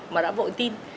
mà đã bội tin